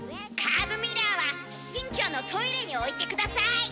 カーブミラーは新居のトイレに置いて下さい！